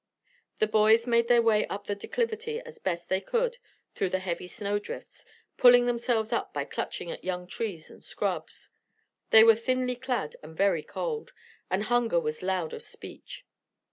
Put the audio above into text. The boys made their way up the declivity as best they could through the heavy snowdrifts, pulling themselves up by clutching at young trees and scrub. They were thinly clad and very cold, and hunger was loud of speech.